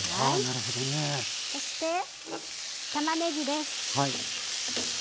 そしてたまねぎです。